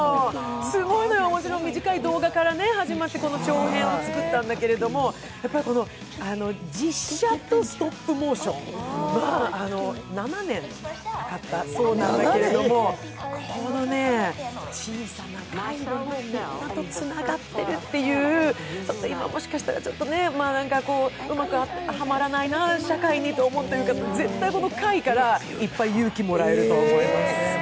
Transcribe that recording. すごいのよ、短い動画から始まってこの長編を作ったんだけれども、実写とストップモーション、７年かかったそうなんだけれどもこの、小さな貝なんだけどちゃんとつながっているっていう今、もしかしたらうまくはまらないなあ、社会にと思っている方、絶対この貝から勇気をもらえると思います。